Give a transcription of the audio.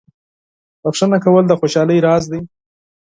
• بخښنه کول د خوشحالۍ راز دی.